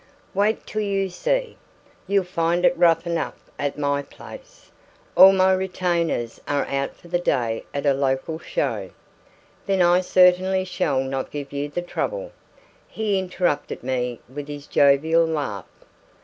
"Wait till you see! You'll find it rough enough at my place; all my retainers are out for the day at a local show." "Then I certainly shall not give you the trouble." He interrupted me with his jovial laugh.